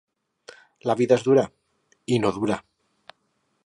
—La vida és dura. —I no dura!